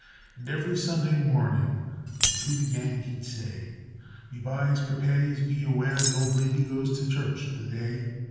And ivery Sunday morni i ing unto the gang he'd say: "Me byes, prepare yez be aware the ould lady goes to church the day.